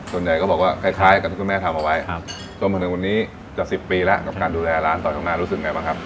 ส่วนใหญ่ก็บอกว่าคล้ายกับที่คุณแม่ทำเอาไว้จนมาถึงวันนี้จะ๑๐ปีแล้วกับการดูแลร้านตอนข้างหน้ารู้สึกไงบ้างครับ